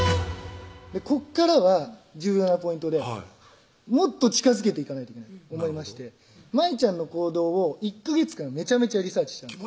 ここからは重要なポイントでもっと近づけていかないといけないと思いまして舞ちゃんの行動を１ヵ月間めちゃめちゃリサーチしたんです